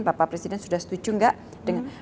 bapak presiden sudah setuju nggak dengan